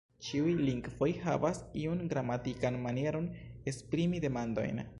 Ĉiuj lingvoj havas iun gramatikan manieron esprimi demandojn.